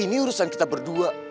ini urusan kita berdua